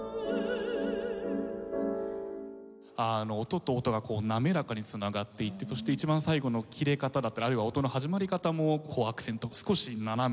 音と音が滑らかに繋がっていってそして一番最後の切れ方だったりあるいは音の始まり方もこうアクセントが少し斜めに入っていく。